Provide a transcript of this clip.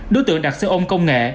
đối tượng đặt xe ôn công nghệ